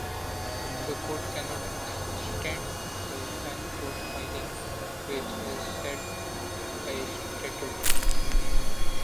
The Court cannot extend the time for filing which is set by statute.